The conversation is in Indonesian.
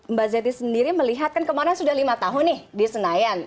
mbak zeti sendiri melihat kan kemarin sudah lima tahun nih di senayan